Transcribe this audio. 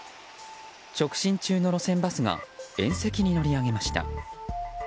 直進中の路線バスが縁石に乗り上げました。